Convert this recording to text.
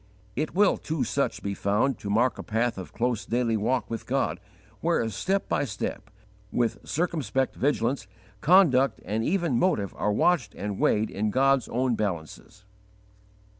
It will to such be found to mark a path of close daily walk with God, where, step by step, with circumspect vigilance, conduct and even motive are watched and weighed in God's own balances.